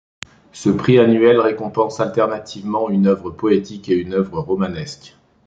Ce prix annuel récompense alternativement une œuvre poétique et une œuvre romanesque.